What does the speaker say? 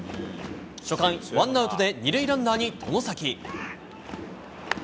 初回、ワンアウトで２塁ランナーに外崎。